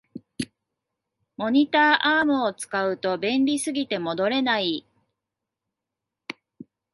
モニターアームを使うと便利すぎて戻れない